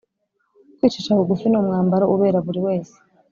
Kwicisha bugufi ni umwambaro ubera buri wese